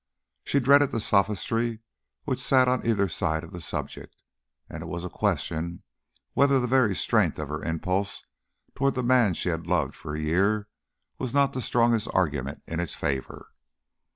She dreaded the sophistry which sat on either side of the subject; and it was a question whether the very strength of her impulse toward the man she had loved for a year was not the strongest argument in its favour.